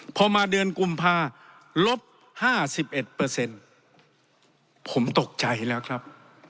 พอมาเดือนกุมภาลบ๕๑ผมตกใจแล้วครับ